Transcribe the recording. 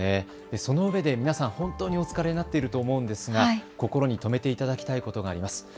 そのうえで皆さん本当にお疲れなっていると思うんですが、心に留めていただきたいことがあります。